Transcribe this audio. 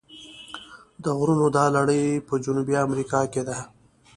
د غرونو دا لړۍ په جنوبي امریکا کې ده.